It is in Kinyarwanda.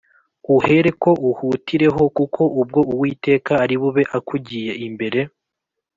uhereko uhutireho kuko ubwo Uwiteka ari bube akugiye imbere